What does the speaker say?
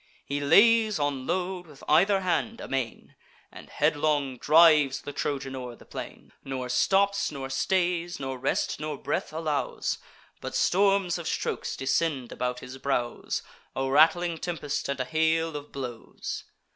He lays on load with either hand, amain, And headlong drives the Trojan o'er the plain; Nor stops, nor stays; nor rest nor breath allows; But storms of strokes descend about his brows, A rattling tempest, and a hail of blows.